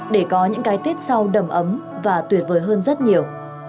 để có những cái tết sau đầm ấm và tuyệt vời hơn rất nhiều